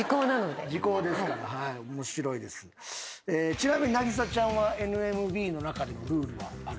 ちなみに凪咲ちゃんはＮＭＢの中でルールはある？